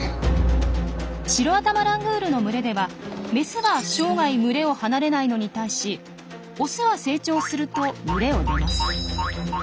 シロアタマラングールの群れではメスは生涯群れを離れないのに対しオスは成長すると群れを出ます。